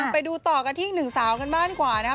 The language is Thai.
ไปดูต่อกันที่อีกหนึ่งสาวกันบ้างกว่านะครับ